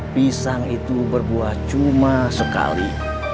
pisang itu berbuah cuma sekali